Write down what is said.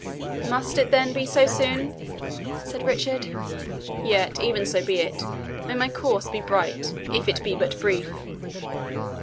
"Must it, then, be so soon?" said Richard. "Yet, even so be it. May my course be bright, if it be but brief!"